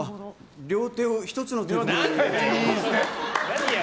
両手を１つの手袋に。